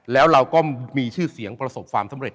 แล้วเราก็มีชื่อเสียงประสบความสำเร็